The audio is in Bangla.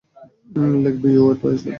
লেইক ভিউ এর পেছেনে।